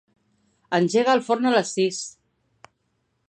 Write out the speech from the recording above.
Engega el forn a les sis.